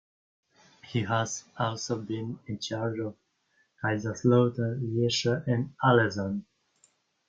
He has also been in charge of Kaiserslautern, Lierse and Aalesund.